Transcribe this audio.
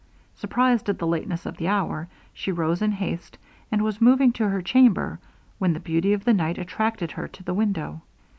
Surprised at the lateness of the hour, she rose in haste, and was moving to her chamber, when the beauty of the night attracted her to the window.